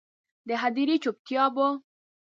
د هدیرې چوپتیا به،